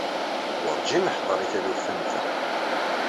Werǧin neḥḍer i taluft am ta.